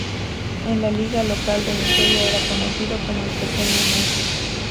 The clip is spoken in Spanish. En la liga local de Nigeria era conocido como el "pequeño Messi".